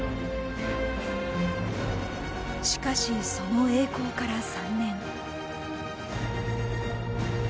しかし、その栄光から３年。